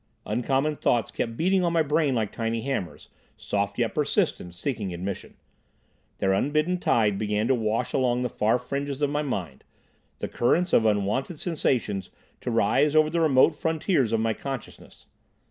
Uncommon thoughts kept beating on my brain like tiny hammers, soft yet persistent, seeking admission; their unbidden tide began to wash along the far fringes of my mind, the currents of unwonted sensations to rise over the remote frontiers of my consciousness.